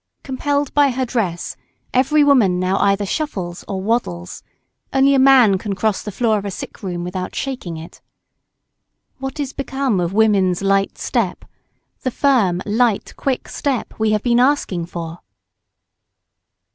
Compelled by her dress, every woman now either shuffles or waddles only a man can cross the floor of a sick room without shaking it! What is become of woman's light step? the firm, light, quick step we have been asking for?